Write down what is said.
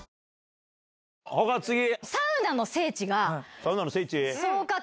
サウナの聖地？